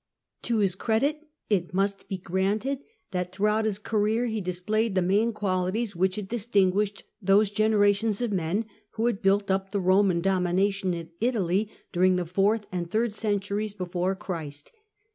To his credit it must be granted that, throughout his career, he displayed the main qualities which had dis tinguished those generations of men who had built up the Roman domination in Italy during the fourth and third centuries before Christ.